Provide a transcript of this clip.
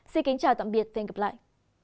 xin kính chào tạm biệt và hẹn gặp lại